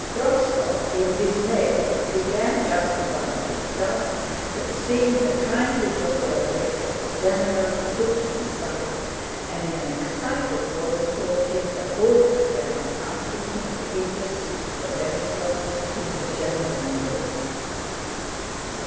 Rostóv, in dismay, began justifying himself, but seeing the kindly, jocular face of the general, he took him aside and in an excited voice told him the whole affair, asking him to intercede for Denísov, whom the general knew.